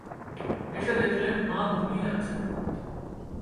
এসে দেখলেন মা ঘুমিয়ে আছেন।